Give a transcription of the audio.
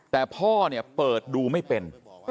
แต่พ่อเปิดดูไม่เป็น